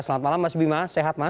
selamat malam mas bima sehat mas